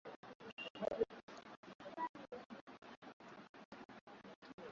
kwa muda mrefu mohamar gaddaffi amekuwa baba wa umoja wa afrika maanake yeye ame